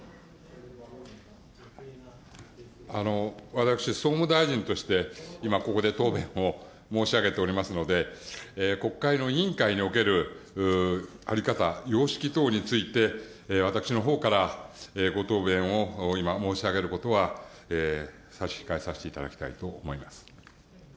私、総務大臣として、今、ここで答弁を申し上げておりますので、国会の委員会における在り方、様式等について、私のほうから、ご答弁を今申し上げることは差し控えさせていただきたいと思います。